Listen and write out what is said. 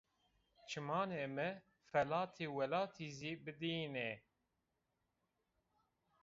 Çimanê mi felatê welatî zî bidîyênê